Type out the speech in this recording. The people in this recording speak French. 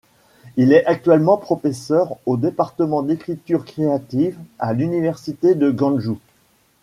Il est actuellement professeur au département d'écriture créative à l'université de Gwangju.